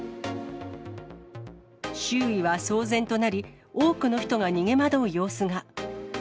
周囲は騒然となり、多くの人が逃げ惑う様子が。